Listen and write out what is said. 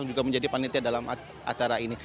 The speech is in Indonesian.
juga menjadi panitia dalam acara ini